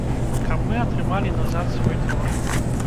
Каб мы атрымалі назад свой двор.